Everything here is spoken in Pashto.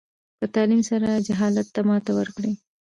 په تعلیم سره جهالت ته ماتې ورکړئ.